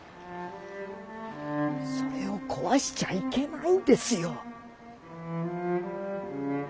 それを壊しちゃいけないんですよ。